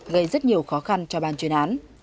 gây rất nhiều khó khăn cho bàn truyền án